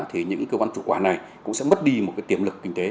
thì những cơ quan chủ quả này cũng sẽ mất đi một tiềm lực kinh tế